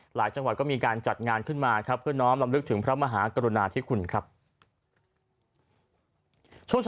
หลายจังหวัดก็มีการจัดงานขึ้นมาครับเพื่อน้องคุณน้องครับลำนึกถึง